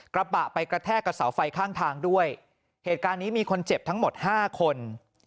กระบะไปกระแทกกับเสาไฟข้างทางด้วยเหตุการณ์นี้มีคนเจ็บทั้งหมดห้าคน